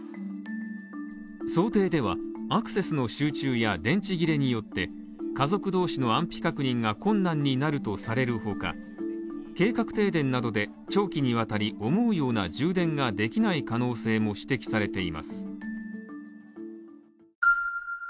想定では、アクセスの集中や電池切れによって、家族同士の安否確認が困難になるとされる他、計画停電などで長期にわたり、思うような充電ができない可能性も指摘されています。